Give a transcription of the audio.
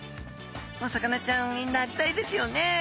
お魚ちゃんになりたいですよね。